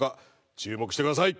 注目してください。